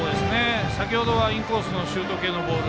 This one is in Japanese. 先ほどはインコースのシュート系のボール。